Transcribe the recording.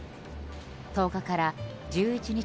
１０日から１１日